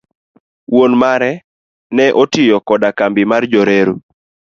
Wuon mare ne otiyo koda kambi mar Jo reru.